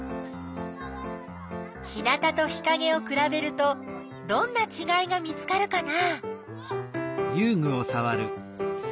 日なたと日かげをくらべるとどんなちがいが見つかるかな？